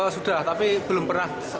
sudah tapi belum pernah